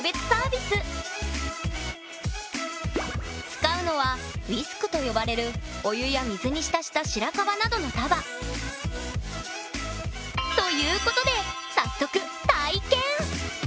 使うのはウィスクと呼ばれるお湯や水に浸したしらかばなどの束！ということで早速体験！